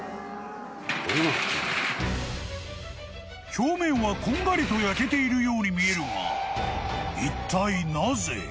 ［表面はこんがりと焼けているように見えるが］